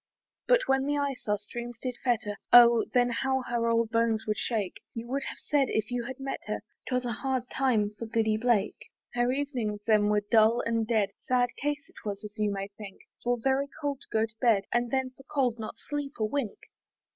But when the ice our streams did fetter, Oh! then how her old bones would shake! You would have said, if you had met her, 'Twas a hard time for Goody Blake. Her evenings then were dull and dead; Sad case it was, as you may think, For very cold to go to bed, And then for cold not sleep a wink.